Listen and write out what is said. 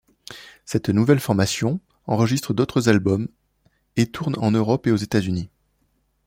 Cette nouvelle formation enregistre d'autres albums et tourne en Europe et aux États-Unis.